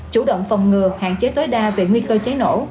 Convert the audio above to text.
chủ động phòng ngừa hạn chế tối đa về nguy cơ cháy nổ